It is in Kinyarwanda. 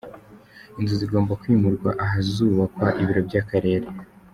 Inzu zigomba kwimurwa ahazubakwa ibiro by’akarere.